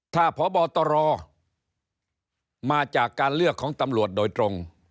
ถ้าพบตรมาจากการเลือกของตำรวจโดยตรง